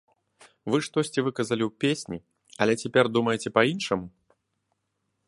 Вы штосьці выказалі ў песні, але цяпер думаеце па-іншаму?